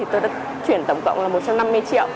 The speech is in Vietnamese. tôi đã chuyển tổng cộng là một trăm năm mươi triệu